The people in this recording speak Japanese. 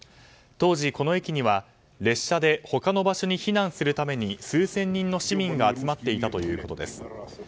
当時この駅には列車で他の場所に避難するために数千人の市民が集まっていたということです。